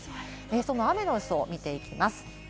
その雨の予想を見ていきます。